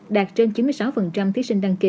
đạt trên chín mươi sáu thí sinh đăng ký